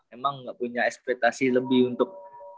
emang gak punya ekspetasi lebih untuk